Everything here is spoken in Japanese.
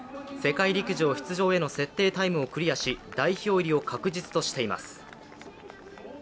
世界陸上出場への設定タイムをクリアし、代表入りを確実としています。